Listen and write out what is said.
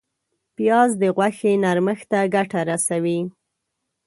پیاز د غوښې نرمښت ته ګټه رسوي